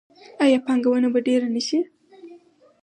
آیا پانګونه به ډیره نشي؟